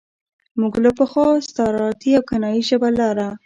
موږ له پخوا استعارتي او کنايي ژبه لاره.